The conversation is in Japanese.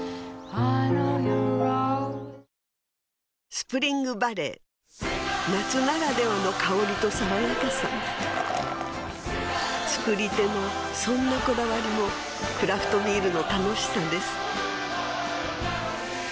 スプリングバレー夏ならではの香りと爽やかさ造り手のそんなこだわりもクラフトビールの楽しさです